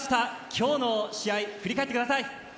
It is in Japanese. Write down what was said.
今日の試合、振り返ってください。